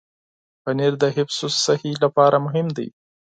پنېر د حفظ الصحې لپاره مهم دی.